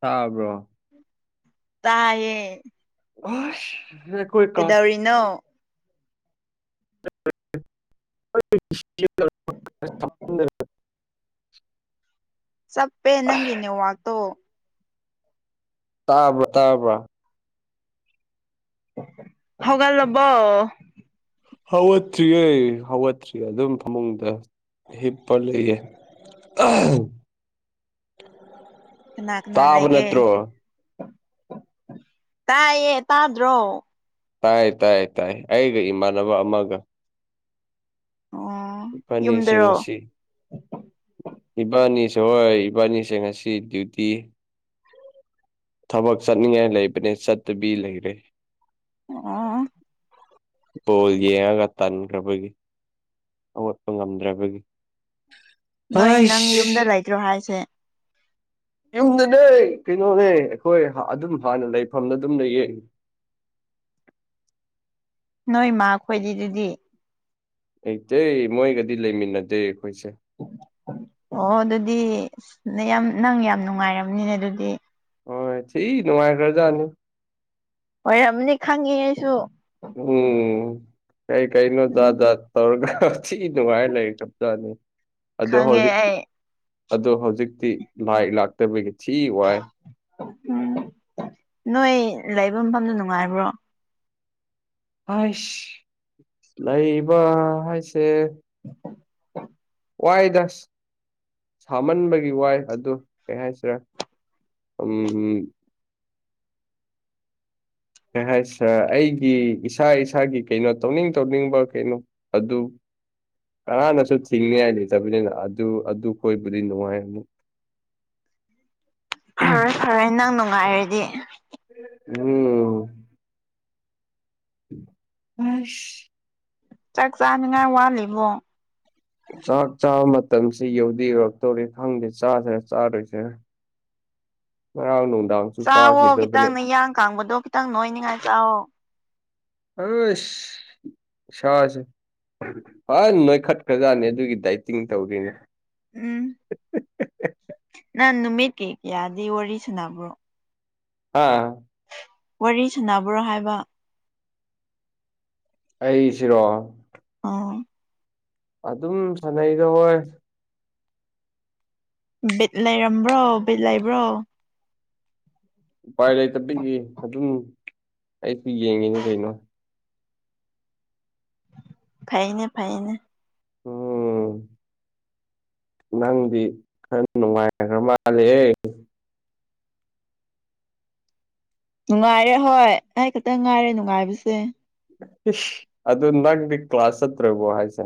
ꯁꯥꯥꯕ꯭ꯔꯣ ꯇꯑꯦ ꯑꯣꯁ ꯑꯦꯗꯧꯔꯤꯅꯣ [unintelligible] [unintelligible] ꯆꯞꯄꯦ ꯅꯪꯒꯤꯤꯅꯦ ꯋꯥꯇꯣ ꯇꯥꯕ꯭ꯔꯥ ꯇꯥꯕ꯭ꯔꯥ ꯍꯧꯒꯠ ꯂꯕꫭ ꯍꯧꯒꯠꯇ꯭ꯔꯤꯌꯦ ꯍꯧꯒꯠꯇ꯭ꯔꯤ ꯑꯗꯨꯝ ꯐꯃꯨꯡꯗ ꯍꯤꯞꯄ ꯂꯩꯌꯦ ꯀꯅꯥ ꯀꯅꯥ ꯇꯥꯕ ꯂꯩꯒꯦ ꯅꯠꯇ꯭ꯔꯣ ꯇꯥꯏꯌꯦ ꯇꯥꯗ꯭ꯔꯣ ꯇꯥꯏ ꯇꯥꯏ ꯇꯥꯏ ꯑꯩꯒ ꯏꯃꯥꯟꯅꯕ ꯑꯃꯒ ꯑꯣ ꯏꯕꯥꯅꯤꯁꯤ ꯌꯨꯝꯗꯔꯣ ꯉꯁꯤ ꯏꯕꯥꯅꯤ ꯍꯣꯏ ꯏꯕꯥꯅꯤꯁꯦ ꯉꯁꯤ ꯗ꯭ꯌꯨꯇꯤ ꯊꯕꯛ ꯆꯠꯅꯤꯡꯉꯥꯏ ꯂꯩꯕꯅꯦ ꯆꯠꯇꯕꯤ ꯂꯩꯔꯦ ꯑ [inaudible] ꯕꯣꯜ ꯌꯦꯡꯉꯒ ꯇꯟꯈ꯭ꯔꯕꯒꯤ ꯍꯧꯒꯠꯄ ꯉꯝꯗ꯭ꯔꯕꯒꯤ ꯅꯣꯏ ꯅꯪ ꯑꯩꯁ ꯌꯨꯝꯗ ꯂꯩꯇ꯭ꯔꯣ ꯍꯥꯏꯁꯦ ꯌꯨꯝꯗꯅꯦ ꯀꯩꯅꯣꯅꯦ ꯑꯩꯈꯣꯏ ꯑꯗꯨꯝ ꯍꯥꯟꯅ ꯂꯩꯐꯝꯗ ꯑꯗꯨꯝ ꯂꯩ ꯌꯦ [inaudible] ꯅꯣꯏ ꯃꯥ ꯈꯣꯏꯗꯤ ꯑꯗꯨꯗꯤ ꯂꯩꯇ꯭ꯔꯦ ꯃꯣꯏꯒꯗꯤ ꯂꯩꯃꯤꯟꯅꯗꯦ ꯑꯩꯈꯣꯏꯁꯦ ꯑꯣ ꯑꯗꯨꯗꯤ ꯅꯪ ꯌꯥꯝ ꯅꯪ ꯌꯥꯝ ꯅꯨꯡꯉꯥꯏꯔꯝꯅꯤꯅꯦ ꯑꯗꯨꯗꯤ ꯑꯣ ꯊꯤ ꯅꯨꯡꯉꯥꯏꯈ꯭ꯔꯖꯥꯅꯤ ꯑꯣꯏꯔꯝꯅꯤ ꯈꯪꯉꯦ ꯑꯩꯁꯨ ꯎꯝ ꯀꯩ ꯀꯩꯅꯣ ꯎꯝ ꯖꯥꯠ ꯖꯥꯠ ꯇꯧꯔꯒ ꯊꯤ ꯅꯨꯡꯉꯥꯏꯔ ꯂꯩ ꯈ꯭ꯔꯕꯖꯥꯠꯅꯤ ꯑꯗꯣ ꯈꯪꯉꯦ ꯍꯧꯖꯤꯛꯇꯤ ꯑꯩ ꯑꯗꯣ ꯍꯧꯖꯤꯛꯇꯤ ꯂꯥꯏ ꯂꯥꯛꯇꯕꯒꯤ ꯊꯤ ꯋꯥꯏ ꯎꯝ ꯅꯣꯏ ꯂꯩꯕ ꯃꯐꯝꯗꯨ ꯅꯨꯡꯉꯥꯏꯕ꯭ꯔꯣ ꯑꯁ ꯂꯩꯕ ꯍꯥꯏ [inaudible] ꯋꯥꯏꯗꯥ ꯁꯥꯃꯟꯕꯒꯤ ꯋꯥꯏ ꯑꯗꯨ ꯀꯩ ꯍꯥꯏꯁꯤꯔꯥ ꯎꯝ ꯀꯩ ꯍꯥꯏ ꯁꯥꯔ ꯑꯩꯒꯤ ꯏꯁꯥ ꯏꯁꯥꯒꯤ ꯀꯩꯅꯣ ꯇꯧꯅꯤꯡ ꯇꯧꯅꯤꯡꯕ ꯀꯩꯅꯣ ꯑꯗꯨ ꯀꯅꯥꯅꯁꯨ ꯊꯤꯡꯅꯤ ꯉꯥꯏ ꯂꯩꯇꯕꯅꯤꯅ ꯑꯗꯨ ꯑꯗꯨ ꯈꫭꯏꯕꯨꯗꯤ ꯅꯨꯡꯉꯥꯏ ꯑꯃꯨꯛ [inaudible] ꯐꯔꯦ ꯐꯔꯦ ꯅꯪ ꯅꯨꯡꯉꯥꯏꯔꯗꯤ ꯎꯝ ꯑꯁ ꯆꯥꯛ ꯆꯥꯅꯤꯉꯥꯏ ꯋꯥꯠꯂꯤꯕꯣ ꯆꯥꯛ ꯆꯥꯕ ꯃꯇꯝꯁꯤ ꯌꯧꯗꯤ ꯌꯧꯔꯛꯇꯧꯔꯦ ꯈꯪꯗꯦ ꯆꯥꯁꯔꯥ ꯆꯥꯔꯣꯏꯁꯤꯔꯥ ꯉꯔꯥꯡ ꯅꯨꯡ ꯆꯥꯛꯋꯣ ꯈꯤꯇꯪ ꯅꯌꯥꯡ ꯀꯥꯡꯕꯗꯣ ꯈꯤꯇꯪ ꯅꯣꯏꯅꯤꯉꯥꯏ ꯆꯥꯛꯋꯣ ꯑꯥꯏꯁ ꯏꯁꯥꯒꯤ ꯐꯖꯅ ꯅꯣꯏꯈꯠꯈ꯭ꯔꯖꯥꯠꯅꯦ ꯑꯗꯨꯒꯤ ꯗꯥꯏꯇꯤꯡ ꯇꯧꯈꯤꯅꯦ ꯎꯝ ꯅꯪ ꯅꯨꯃꯤꯠ ꯀꯤ ꯀꯌꯥꯗꯤ ꯋꯥꯔꯤ ꯁꯅꯥꯕ꯭ꯔꯣ ꯑꯥ ꯋꯥꯔꯤ ꯁꯥꯟꯅꯕ꯭ꯔꯣ ꯍꯥꯏꯕ ꯑꯩꯁꯤꯔꯣ ꯑꯣ ꯑꯗꯨꯝ ꯁꯥꯟꯅꯩꯗ ꯍꯣꯏ ꯕꯤꯠ ꯂꯩꯔꯝꯕ꯭ꯔꯣ ꯕꯤꯠ ꯂꯩꯕ꯭ꯔꯣ ꯎꯄꯥꯏ ꯂꯩꯇꯕꯒꯤ ꯑꯗꯨꯝ ꯑꯩꯁꯨ ꯌꯦꯡꯉꯤꯅꯦ ꯀꯩꯅꯣ ꯐꯩꯅꯦ ꯐꯩꯅꯦ ꯎꯝ ꯅꯪꯗꯤ ꯈꯔ ꯅꯨꯡꯉꯥꯏꯈ꯭ꯔ ꯃꯥꯜꯂꯦꯍꯦ ꯅꯨꯡꯉꯥꯏꯔꯦ ꯍꯣꯏ ꯑꯩ ꯈꯛꯇꯪ ꯉꯥꯏꯔꯦ ꯅꯨꯡꯉꯥꯏꯕꯁꯦ ꯑꯗꯨ ꯅꯪꯗꯤ ꯀ꯭ꯂꯥꯁ ꯆꯠꯇ꯭ꯔꯕꯣ ꯍꯥꯏꯁꯦ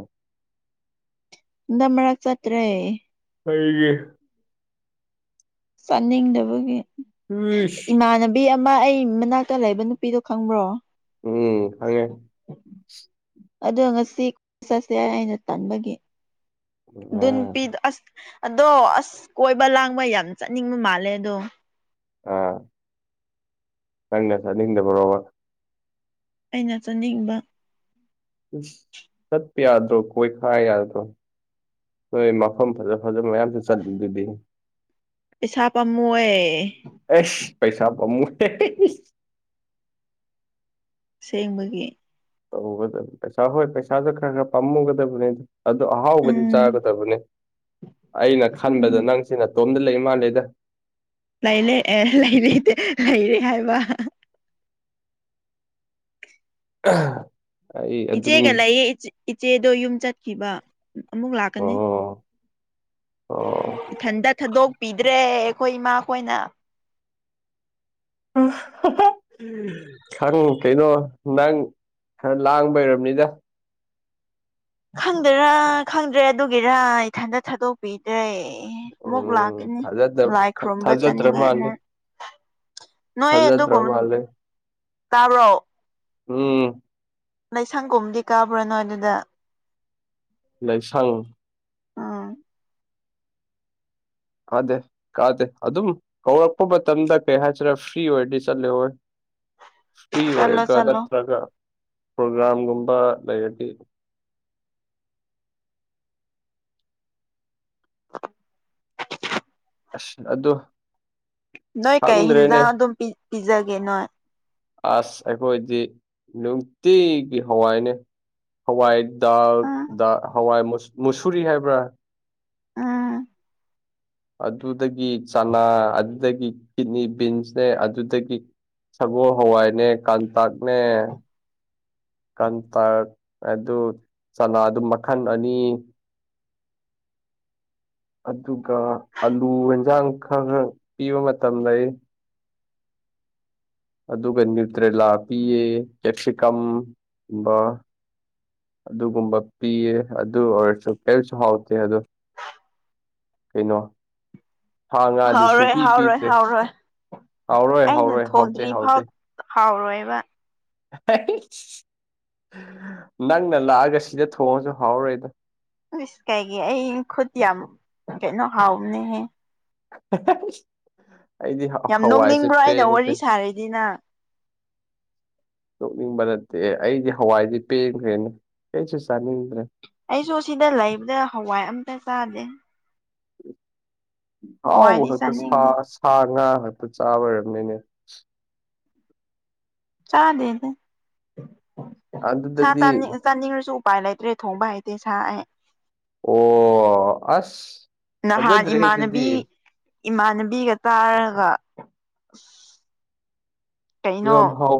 ꯍꯟꯗꯛ ꯃꯔꯛ ꯆꯠꯇ꯭ꯔꯦ ꯀꯩꯒꯤ ꯆꯠꯅꯤꯡꯗꯕꯒꯤ ꯔꯁ ꯃꯥ ꯑꯩ ꯃꯅꯥꯛꯇ ꯂꯩꯕ ꯅꯨꯄꯤꯗꯣ ꯈꯪꯕ꯭ꯔꯣ ꯎꯝ ꯈꯪꯉꯦ ꯑꯗꯣ ꯉꯁꯤ ꯆꯠꯁꯦ ꯑꯩꯅ ꯇꯥꯟꯕꯒꯤ ꯟ ꯑꯥ ꯄꯤ ꯑ ꯑꯗꯣ ꯑꯁ ꯀꯣꯏꯕ ꯂꯥꯡꯕ ꯌꯥꯝ ꯆꯠꯅꯤꯡꯕ ꯃꯥꯜꯂꯦ ꯑꯗꯣ ꯑꯥ ꯀꯅ ꯆꯗꯕꯔꯣꯕ ꯑꯩꯅ ꯆꯥꯅꯤꯡꯕ ꯁꯠ ꯌꯥꯗ꯭ꯔꯣ ꯀꯣꯏ ꯈꯥ ꯌꯥꯗꯗꯣ ꯍꯣꯏ ꯃꯐꯝ ꯐꯖ ꯐꯖꯕ ꯃꯌꯥꯝꯁꯨ ꯆꯂ ꯑꯗꯨꯗꯤ ꯄꯩꯁꯥ ꯄꯥꯝꯃꯣꯏꯦ ꯑꯩꯁ ꯄꯩꯁꯥ ꯄꯃ ꯁꯦꯡꯕꯒꯤ ꯇꯧꯒꯗꯕꯅꯦ ꯄꯩꯁꯥ ꯍꯣꯏ ꯄꯩꯁꯥꯁꯨ ꯈꯔ ꯈꯔ ꯄꯥꯝꯃꯨꯒꯗꯕꯅꯤꯗꯣ ꯑꯗꯨ ꯑꯍꯥꯎꯕꯗꯤ ꯎꯝ ꯆꯥꯒꯗꯕꯅꯤ ꯑꯩꯅ ꯈꯟꯕꯗ ꯎꯝ ꯅꯪ ꯁꯤꯅ ꯇꯣꯝꯗ ꯂꯩ ꯏꯃ ꯂꯩꯦꯗ ꯂꯩꯔꯦ ꯑꯦ ꯂꯩꯔꯦ ꯂꯩꯔꯦ ꯍꯥꯏꯕ ꯑ ꯏꯆꯦꯒ ꯂꯩꯌꯦ ꯏꯆꯦꯗꯣ ꯌꯨꯝ ꯆꯠꯈꯤꯕ ꯑꯃꯨꯛ ꯂꯥꯛꯀꯅꯤ ꯑꯣ ꯑꯣ ꯏꯊꯟꯇ ꯊꯥꯗꯣꯛꯄꯤꯗ꯭ꯔꯦ ꯑꯩꯈꯣꯏ ꯏꯃꯥꯈꯣꯏꯅ ꯎꯝ ꯈꯪ ꯀꯩꯅꯣ ꯅꯪ ꯈꯔ ꯂꯥꯡꯕ ꯑꯣꯏꯔꯕꯅꯤꯗ ꯈꯪꯗꯔꯥ ꯈꯪꯗ꯭ꯔꯦ ꯑꯗꯨꯒꯤꯔꯥ ꯏꯊꯟꯇ ꯊꯥꯗꯣꯛꯄꯤꯗ꯭ꯔꯦ ꯑꯦ ꯑꯃꯨꯛ ꯎꯝ ꯂꯥꯛꯀꯅꯤ ꯊꯥꯖꯗ ꯂꯥꯏ ꯈꯨꯔꯨꯝꯕ ꯊꯥꯖꯗ꯭ꯔ ꯆꯠꯅꯤꯡꯉꯥꯏ ꯃꯥꯜꯂꯦ ꯑꯃꯨꯛ ꯅꯣꯏ ꯊꯥꯖꯗ꯭ꯔ ꯑꯗꯨꯒꯨꯝ ꯃꯥꯜꯂꯦ ꯇꯥꯕ꯭ꯔꯣ ꯎꯝ ꯂꯥꯏꯁꯪꯒꯨꯝꯝꯗꯤ ꯀꯥꯕ꯭ꯔꯥꯅꯣ ꯑꯗꯨꯗ ꯂꯩ ꯁꯉ ꯑꯥ ꯀꯥꯗꯦ ꯀꯥꯗꯦ ꯑꯗꯨꯝ ꯀꯧꯔꯛꯄ ꯃꯇꯝꯗ ꯀꯩ ꯍꯥꯏꯁꯤꯔꯥ ꯐ꯭ꯔꯤ ꯑꯣꯏꯔꯗꯤ ꯆꯠꯂꯦ ꯍꯣꯏ [inaudible] ꯐ꯭ꯔꯤ ꯆꯠꯂꯣ ꯑꯣꯏꯔꯒ ꯆꯠꯂꯣ ꯅꯠꯇ꯭ꯔꯒ ꯄ꯭ꯔꯣꯒ꯭ꯔꯥꯝꯒꯨꯝꯕ ꯂꯩꯔꯗꯤ ꯑꯁ ꯑꯗꯨꯣ ꯅꯣꯏ ꯀꯩ ꯍꯦꯟꯖꯥꯡ ꯑꯗꯨꯝ ꯄꯤꯖꯒꯦ ꯅꯣꯏ ꯑꯁ ꯑꯩꯈꯣꯏꯗꯤ ꯅꯨꯡꯇꯤꯒꯤ ꯍꯋꯥꯏꯅꯦ ꯍꯋꯥꯏ ꯎꯝ ꯍꯋꯥꯏ ꯃꯨꯁꯨꯔꯤ ꯍꯥꯏꯕ꯭ꯔꯥ ꯎꯝ ꯑꯗꯨꯗꯒꯤ ꯆꯅꯥ ꯑꯗꯨꯗꯒꯤ ꯀꯤꯠꯅꯤ ꯕꯤꯟꯁꯅꯦ ꯑꯗꯨꯗꯒꯤ ꯁꯒꯣꯜ ꯍꯋꯥꯏꯅꯦ ꯀꯥꯟꯇꯥꯛꯅꯦ ꯀꯟꯇꯛ ꯑꯗꯨ ꯆꯅꯥ ꯑꯗꯨ ꯃꯈꯜ ꯑꯅꯤ ꯑꯗꯨꯒ ꯑꯂꯨ ꯑꯦꯟꯁꯥꯡ ꯈꯔ ꯄꯤꯕ ꯃꯇꯝ ꯂꯩ ꯑꯗꯨꯒ ꯅ꯭ꯌꯨꯇ꯭ꯔꯦꯂꯥ ꯄꯤꯌꯦ ꯆꯦꯛꯁꯤꯀꯝ ꯀꯨꯝꯕ ꯑꯗꯨꯒꯨꯝꯕ ꯄꯤꯌꯦ ꯑꯗꯨ ꯑꯣꯏꯔꯁꯨ ꯀꯔꯤꯁꯨ ꯍꯥꯎꯇꯦ ꯑꯗꯨ ꯀꯩꯅꯣ ꯁꯥ ꯉꯥꯗꯤ ꯍꯥꯎꯔꯣꯏ ꯁꯨꯡꯄꯤ ꯍꯥꯎꯔꯣꯏ ꯄꯤꯗ꯭ꯔꯦ ꯍꯥꯎꯔꯣꯏ ꯍꯥꯎꯔꯣꯏ ꯑꯩꯅ ꯍꯥꯎꯔꯣꯏ ꯍꯥꯎꯇꯦ ꯊꯣꯡꯗ꯭ꯔꯤ ꯍꯥꯎꯇꯦ ꯐꯥꯎ ꯍꯥꯎꯔꯣꯏꯕ ꯅꯪꯅ ꯂꯥꯛꯑꯒ ꯁꯤꯗ ꯊꯣꯡꯉꯁꯨ ꯍꯥꯎꯔꯣꯏꯗꯣ ꯁ ꯀꯥꯏꯒꯤ ꯑꯩ ꯈꯨꯠ ꯌꯥꯝ ꯀꯩꯅꯣ ꯍꯥꯎꯕꯅꯦꯍꯦ [inaudible] ꯑꯩꯗꯤ ꯌꯥꯝ ꯍꯋꯥꯏꯁꯦ ꯅꯣꯛꯅꯤꯡꯕ꯭ꯔꯣ ꯑꯩꯅ ꯄꯦꯟꯈ꯭ꯔꯦ ꯋꯥꯔꯤ ꯁꯥꯔꯤꯗꯤ ꯅꯪ ꯇꯣꯛꯅꯤꯡꯕ ꯅꯠꯇꯦ ꯑꯩꯗꯤ ꯍꯋꯥꯏꯗꯤ ꯄꯦꯟꯈ꯭ꯔꯦꯅꯦ ꯀꯩꯁꯨ ꯆꯥꯅꯤꯡꯗ꯭ꯔꯦ ꯑꯩꯁꯨ ꯁꯤꯗ ꯂꯩꯕꯗ ꯍꯋꯥꯏ ꯑꯝꯇ ꯆꯥꯗꯦ ꯍꯥꯎ ꯍꯋꯥꯏꯗꯤ ꯍ ꯇ ꯁꯥ ꯆꯥꯅꯤꯡꯗꯦ ꯁꯉ ꯃꯣꯏꯄ ꯆꯥꯕ ꯑꯣꯏꯔꯕꯅꯤꯅꯦ ꯆꯥꯅꯦ ꯆꯥ ꯑꯗꯨꯗꯗꯤ ꯆ ꯆꯥꯟꯁꯨ ꯎꯄꯥꯏ ꯂꯩꯇ꯭ꯔꯦ ꯊꯣꯡꯕ ꯍꯥꯏꯇꯦ ꯁꯑ ꯑꯣ ꯑꯁ ꯅꯍꯥꯟ ꯐꯖꯗ꯭ꯔꯦꯍꯦ ꯑꯗꯨꯗꯤ ꯏꯃꯥꯟꯅꯕꯤ ꯏꯃꯥꯟꯅꯕꯤꯒ ꯇꯥꯔꯒ ꯐꯥꯎ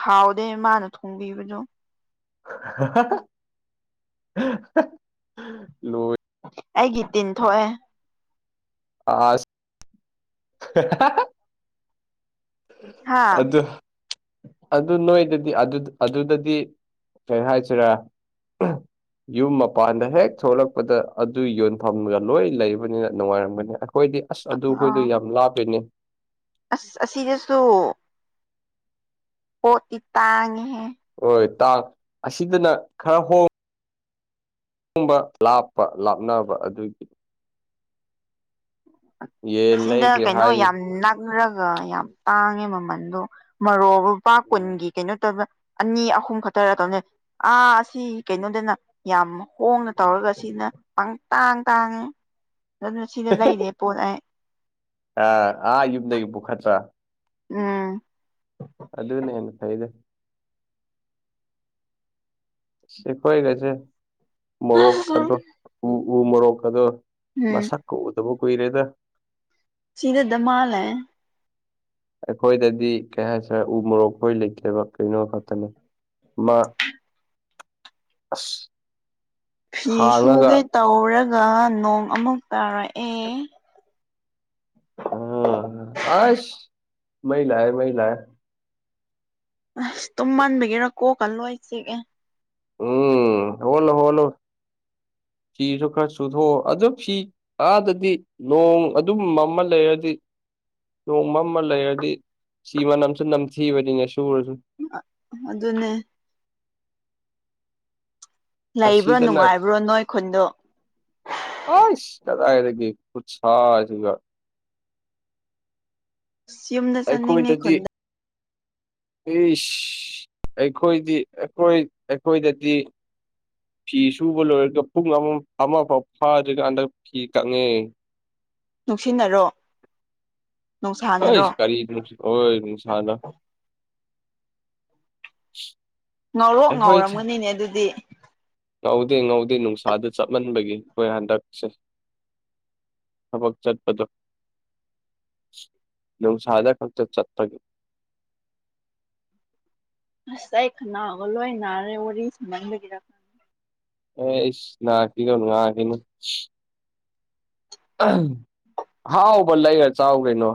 ꯍꯥꯎ ꯑꯣꯗ ꯃꯃꯥꯅ ꯊꯣꯡꯕ ꯍꯧꯖꯣ ꯂꯣꯏ ꯑꯩꯒꯤ ꯇꯤꯟ ꯊꯣꯛꯑꯦ ꯑꯁ ꯍꯥ ꯑꯗꯨꯗ ꯑꯗꯨ ꯅꯣꯏꯗꯗꯤ ꯑꯗꯨꯗꯗꯤ ꯀꯩ ꯍꯥꯏꯁꯤꯔꯦ ꯌꯨꯝ ꯃꯄꯥꯟꯗ ꯍꯦꯛ ꯊꯣꯛꯂꯛꯄꯗ ꯑꯗꯨ ꯌꯣꯟꯐꯝꯒ ꯂꯣꯏ ꯂꯩꯕꯅꯤꯅ ꯅꯨꯡꯉꯥꯏꯔꯝꯒꯅꯤ ꯑꯩꯈꯣꯏꯗꯤ ꯑꯁ ꯑꯥ ꯑꯗꯨꯈꯣꯏꯗꯣ ꯌꯥꯝ ꯂꯥꯞꯂꯤꯅꯦ ꯑꯁ ꯑꯁꯤꯗꯁꯨꯣ ꯍꯇꯤ ꯇꯥꯡꯉꯦꯍꯦ ꯣꯏ ꯇꯥꯡ ꯑꯁꯤꯗꯅ ꯈꯔ ꯍꯣꯡ ꯑꯕ ꯂꯥꯞꯄ ꯂꯥꯞꯅꯕ ꯑꯗꯨꯒꯤ ꯌꯦꯟ ꯁꯤꯗ ꯂꯩꯒꯦ ꯀꯩꯅꯣ ꯍꯥꯏ ꯌꯥꯝ ꯅꯛꯔꯒ ꯌꯥꯝ ꯇꯥꯡꯉꯦ ꯃꯃꯟꯗꯣ ꯃꯔꯣꯛ ꯂꯨꯄꯥ ꯀꯨꯟꯒꯤ ꯀꯩꯅꯣ ꯇꯧꯕ ꯑꯅꯤ ꯑꯍꯨꯝ ꯈꯛꯇꯔ ꯇꯧꯅꯦ ꯑꯥ ꯁꯤ ꯀꯩꯅꯣꯗꯅ ꯌꯥꯝ ꯍꯣꯡꯅ ꯇꯧꯔꯒ ꯁꯤꯅ ꯄꯪ ꯇꯥꯡ ꯇꯥꯡꯉꯦ ꯑꯗꯨꯅ ꯁꯤꯗ ꯂꯩꯔꯦ ꯄꯣꯠ ꯑꯩ ꯑ ꯑꯥ ꯌꯨꯝꯗ ꯌꯨꯝꯕꯨ ꯈꯠꯆꯥ ꯎꯝ ꯑꯗꯨꯗ ꯅꯦꯅ ꯐꯩꯗ ꯁꯤꯦꯈꯋꯥꯏꯒꯦꯁꯦ ꯃꯣꯔꯣꯛ ꯀꯥꯗꯣ ꯎ ꯎ ꯃꯣꯔꯣꯛ ꯀꯗꯣ ꯎꯝ ꯃꯁꯛ ꯀ ꯎꯗꯕ ꯀꯨꯏꯔꯦꯗ ꯁꯤꯗ ꯃꯜꯦ ꯑꯩꯈꯣꯏꯗꯗꯤ ꯀꯩ ꯍꯥꯏꯁꯔꯦ ꯎ ꯃꯣꯔꯣꯛꯈꯣꯏ ꯂꯩꯇꯦꯕ ꯀꯩꯅꯣ ꯈꯛꯇꯅꯦ ꯃꯥ ꯑꯁ ꯐꯤ ꯁꯥꯡꯉꯒ ꯁꯨꯒꯦ ꯇꯧꯔꯒ ꯅꯣꯡ ꯑꯃꯨꯛ ꯇꯥꯔꯛꯑꯦ ꯎꯝ ꯑꯁ ꯃꯩꯂꯑ ꯃꯩꯂꯑ ꯑꯁ ꯇꯨꯝ ꯃꯟꯕꯤꯒꯦꯔꯥ ꯀꯣꯛꯀꯜꯂꯣꯏ ꯆꯦ ꯑꯦ ꯎꯝ ꯍꯅ ꯍꯅ ꯐꯤꯁꯨ ꯈꯔ ꯆꯨꯊꯣꯛꯑꯣ ꯑꯗꯨ ꯐꯤ ꯑꯥꯗꯗꯤ ꯅꯣꯡ ꯑꯗꯨꯝ ꯑꯃ ꯂꯩꯔꯗꯤ ꯅꯣꯡꯃ ꯑꯃ ꯂꯩꯔꯗꯤ ꯁꯤ ꯃꯅꯝꯁꯨ ꯅꯝꯊꯤꯕꯅꯤꯅ ꯁꯨꯔꯁꯨ ꯑ ꯑꯗꯨ ꯑꯗꯨꯅꯦ ꯂꯩꯕ꯭ꯔꯣ ꯁꯤꯗꯅ ꯅꯨꯡꯉꯥꯏꯕ꯭ꯔꯣ ꯅꯣꯏ ꯈꯨꯟꯗꯣ ꯑ ꯏꯔ ꯈꯨ ꯁꯥꯥꯆꯒ ꯑꯁ ꯌꯨꯝꯗ ꯆꯠꯅꯤꯡꯉꯦ ꯑꯩꯈꯣꯏꯗꯗꯤ ꯈꯨꯟꯗ ꯏꯁ ꯑꯩꯈꯣꯏꯗꯤ ꯑꯩꯈꯣꯏ ꯑꯩꯈꯣꯏꯗꯗꯤ ꯐꯤ ꯁꯨꯕ ꯂꯣꯏꯔꯒ ꯄꯨꯡ ꯑꯃ ꯐꯥꯎ ꯐꯥꯗ꯭ꯔꯤꯀꯥꯟꯗ ꯐꯤ ꯀꯛꯉꯦ ꯅꯨꯡꯁꯤꯟꯅꯔꯣ ꯍ ꯏ ꯏꯁꯀꯔꯤ ꯁꯅ ꯉꯧꯔꯣ ꯉꯥꯎꯔꯝꯒꯅꯤꯅꯦ ꯑꯗꯨꯗꯤ ꯉꯧꯗꯦ ꯉꯧꯗꯦ ꯅꯨꯡꯁꯥꯗ ꯆꯞꯃꯟꯕꯒꯤ ꯑꯩꯈꯣꯏ ꯍꯟꯗꯛꯁꯦ ꯊꯕꯛ ꯆꯠꯄꯗꯣ ꯂ ꯁꯥꯏꯗ ꯈꯛꯇ ꯆꯠꯄꯒꯤ ꯑꯁ ꯑꯩꯅꯥꯑꯒ ꯂꯣꯏ ꯅꯥꯔꯦ ꯋꯥꯔꯤ ꯁꯝꯍꯟꯕꯒꯤꯔ ꯑꯩ ꯅꯅꯥ ꯀ ꯊꯅꯅꯨꯡ ꯑ ꯀꯅ ꯍꯥꯎꯥꯎ ꯜꯂꯏꯒ ꯆꯥꯎ ꯀꯩꯅꯩꯅꯣ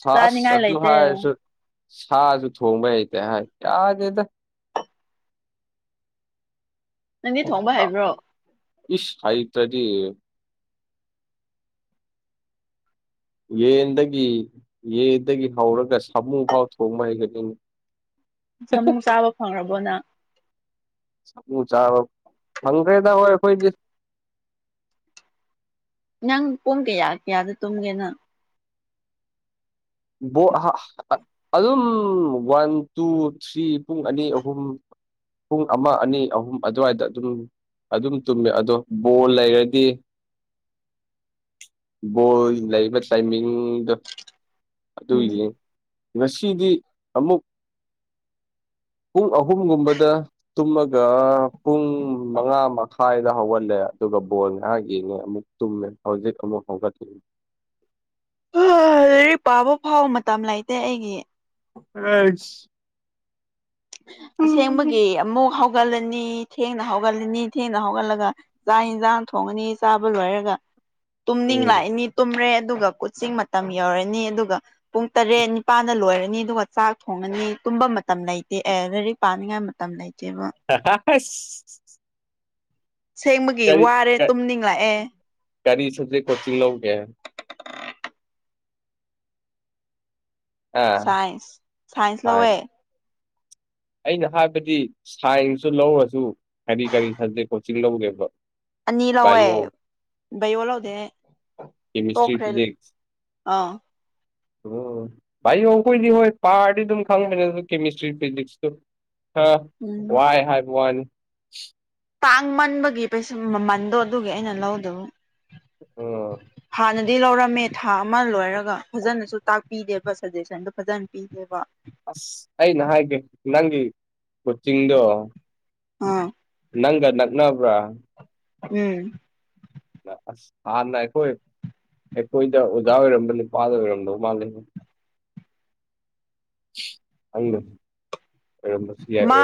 ꯁꯥꯁ ꯆꯥꯅꯤꯡꯉꯥꯏ ꯑꯗꯨ ꯂꯩꯇꯦ ꯍꯥꯏꯁꯨ ꯁꯥꯁꯨꯨ ꯊꯣꯡꯃꯦꯇꯦ ꯌꯥꯒꯦꯗ ꯅꯪꯗꯤ ꯊꯣꯡꯕ ꯍꯥꯏꯕ꯭ꯔꯣ ꯏꯁ ꯏꯇꯗꯤ ꯌꯦꯟꯗꯒꯤ ꯌꯦꯟꯗꯒꯤ ꯍꯧꯔꯒ ꯁꯥꯃꯨ ꯐꯥꯎ ꯊꯣꯡꯕ ꯍꯦꯛꯅꯤꯡꯉꯤ ꯁꯃꯨ ꯆꯥꯕ ꯐꯪ꯭ꯔꯕꯣꯅ ꯆꯥ ꯐꯪꯒꯦꯗ ꯑꯣꯏꯣꯏ ꯀꯣꯏ ꯅꯪ ꯄꯨꯡ ꯀꯌꯥ ꯀꯌꯥꯗ ꯇꯨꯝꯒꯦꯅ ꯑꯗꯨꯝ ꯋꯥꯟ ꯇꯨ ꯊ꯭ꯔꯤ ꯄꯨꯡ ꯑꯅꯤ ꯑꯍꯨꯝ ꯄꯨꯡ ꯑꯃ ꯑꯅꯤ ꯑꯍꯨꯝ ꯑꯗꯨꯋꯥꯏꯗ ꯑꯗꯨꯝ ꯑꯗꯨꯝ ꯇꯨꯝꯃꯦ ꯑꯗꯣ ꯕꯣꯜ ꯂꯩꯔꯗꯤ ꯕꯣꯜ ꯂꯩꯕ ꯇꯥꯏꯃꯤꯡꯗ ꯑꯗꯨ ꯎꯝ ꯌꯦꯡ ꯉꯁꯤꯗꯤ ꯑꯃꯨꯛ ꯄꯨꯡ ꯑꯍꯨꯝꯒꯨꯝꯕꯗ ꯇꯨꯝꯃꯒ ꯄꯨꯡ ꯃꯉꯥ ꯃꯈꯥꯏꯗ ꯍꯧꯍꯜꯂꯦ ꯑꯗꯨꯒ ꯕꯣ ꯉꯥꯏꯥꯒꯤꯅꯦ ꯑꯃꯨꯛ ꯇꯨꯝꯃꯦ ꯍꯧꯖꯤꯛ ꯑꯃꯨꯛ ꯍꯧꯣꯡꯒꯠꯈꯤ ꯂꯔꯤ ꯄꯥꯕ ꯐꯥꯎꯕ ꯃꯇꯝ ꯂꯩꯇꯦ ꯑꯩꯒꯤ ꯑ ꯑꯁꯦꯡꯕꯒꯤ ꯑꯃꯨꯛ ꯍꯧ ꯍꯧꯒꯠꯂꯅꯤ ꯊꯦꯡꯅ ꯍꯧꯒꯠꯂꯅꯤ ꯊꯦꯡꯅ ꯍꯧꯒꯠꯂꯒ ꯆꯥꯛ ꯌꯦꯟꯁꯥꯡ ꯊꯣꯡꯉꯅꯤ ꯆꯥꯕ ꯂꯣꯏꯔꯒ ꯇꯨꯝꯅꯤꯡ ꯎꯝ ꯂꯥꯛꯏꯅꯤ ꯇꯨꯝꯔꯦ ꯑꯗꯨꯒ ꯀꯨꯠꯁꯤꯡ ꯃꯇꯝ ꯌꯧꯔꯅꯤ ꯑꯗꯨꯒ ꯄꯨꯡ ꯇꯔꯦꯠ ꯅꯤꯄꯥꯜꯗ ꯂꯣꯏꯔꯅꯤ ꯑꯗꯨꯒ ꯆꯥꯛ ꯊꯣꯡꯉꯅꯤ ꯇꯨꯝꯕ ꯃꯇꯝ ꯂꯩ ꯑꯦ ꯂꯥꯏꯔꯤꯛ ꯄꯥꯅꯤꯡꯉꯥꯏ ꯃꯇꯝ ꯂꯩꯇꯦꯕ ꯍꯁ ꯁꯦꯡꯕꯒꯤ ꯋꯥꯔꯦ ꯇꯨꯝꯅꯤꯡꯂꯛꯑꯦ ꯀꯔꯤ ꯁꯕꯖꯦꯛ ꯀꯣꯆꯤꯡ ꯂꯧꯒꯦ ꯑꯥ ꯁꯥꯏꯟꯁ ꯁꯥꯏꯟꯁ ꯁꯥꯏꯟ ꯂꯧꯋꯦ ꯑꯩꯅ ꯍꯥꯏꯕꯗꯤ ꯁꯥꯏꯟꯁꯇ ꯂꯧꯔꯁꯨ ꯀꯔꯤ ꯀꯔꯤ ꯁꯕꯖꯦꯛ ꯀꯣꯆꯤꯡ ꯂꯧꯒꯦꯕ ꯑꯅꯤ ꯂꯧꯋꯦ ꯕꯥꯏꯑꯣ ꯕꯌꯣ ꯂꯧꯗꯦ ꯀꯦꯃꯤꯁꯇ꯭ꯔꯤ ꯇꯣꯛꯈ꯭ꯔꯦ ꯑꯥ ꯎ ꯚꯥꯏꯌꯣ ꯑꯩꯈꯣꯏꯗꯤ ꯍꯣꯏ ꯄꯥꯔꯗꯤ ꯑꯗꯨꯝ ꯈꯪꯉꯁꯨ ꯀꯦꯃꯤꯁꯇ꯭ꯔꯤ ꯐꯤꯖꯤꯛꯁꯇꯨ ꯑ ꯎꯝ ꯋꯥꯏ ꯍꯥꯏꯕꯅꯤ ꯇꯥꯡ ꯃꯟꯕꯒꯤ ꯄꯩꯁ ꯃꯃꯟꯗꯣ ꯑꯗꯨꯒꯤ ꯑꯩꯅ ꯂꯧꯗꯕ ꯑ ꯍꯥꯟꯅꯗꯤ ꯂꯧꯔꯝꯃꯦ ꯊꯥ ꯑꯃ ꯂꯣꯏꯔꯒ ꯐꯖꯅꯁꯨ ꯇꯥꯛꯄꯤꯗꯦꯕ ꯁꯖꯦꯁꯟꯗ ꯐꯖꯅ ꯄꯤꯗꯦꯕ ꯑꯁ ꯑꯩ ꯅ ꯍꯥꯏꯒꯦ ꯅꯪꯒꯤ ꯀꯣꯆꯤꯡꯗꯣ ꯑꯥ ꯅꯪ ꯅꯛꯅꯕ꯭ꯔꯥ ꯎꯝ ꯑꯁ ꯍꯥꯔꯅꯥꯈꯣꯏ ꯑꯩꯈꯣꯏꯗ ꯑꯣꯖꯥ ꯑꯣꯏꯔꯝꯕ ꯅꯨꯄꯥꯗ ꯑꯣꯏꯔꯝꯗꯧ ꯃꯥꯜꯂꯦꯅꯦ ꯑꯪꯗ ꯑꯔꯁꯤ ꯃꯥ ꯌꯥꯔ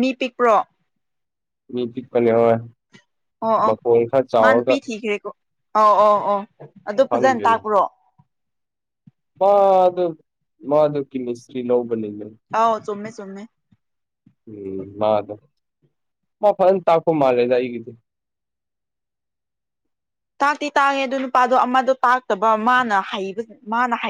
ꯃꯤ ꯄꯤꯛꯄ꯭ꯔꯣ ꯃꯤꯀꯅꯦ ꯑꯣ ꯑ ꯃꯥ ꯅꯨꯄꯤ ꯊꯤꯈ꯭ꯔꯦꯀꯣ ꯑꯧ ꯑꯧ ꯑ ꯑꯗꯨ ꯐꯖꯅ ꯇꯥꯛꯄ꯭ꯔꯣ ꯃꯥꯙ ꯃꯥꯙꯕꯀꯤ ꯃꯤꯇ꯭ꯔꯤ ꯂꯣ ꯑꯥꯎ ꯆꯣꯃꯦ ꯆꯣꯃꯦ ꯎꯝ ꯃꯥꯗ ꯃꯥ ꯐ ꯇꯥꯀꯣ ꯃꯥꯔꯦ ꯇꯏ ꯀꯗ ꯇꯥꯛꯇꯤ ꯇꯥꯡꯉꯦ ꯑꯗꯨ ꯅꯨꯄꯥꯗꯣ ꯑꯃꯗꯣ ꯇꯥꯛꯇꯕ ꯃꯥꯅ ꯍꯕ ꯃꯥꯅ